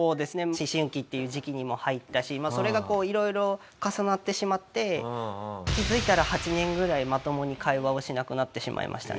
思春期っていう時期にも入ったしそれがこう色々重なってしまって気づいたら８年ぐらいまともに会話をしなくなってしまいましたね。